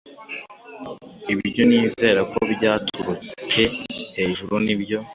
Ibyo nizera ko byaturute hejuru nibyo